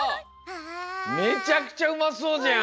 めちゃくちゃうまそうじゃん！